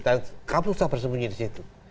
dan kamu sudah bersembunyi di situ